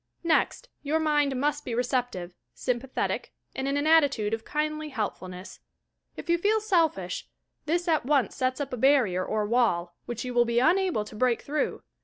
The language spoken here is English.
Next, your mind mu 'rt be receptive, sj mpathetic and in an attitude of kindly helpfulness. If you feel selfish this at once sets up a barrier or wall, which you will be unable to break through.